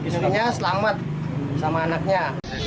supinya selamat sama anaknya